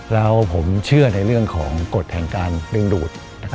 แล้วผมเชื่อในเรื่องของกฎแห่งการดึงดูด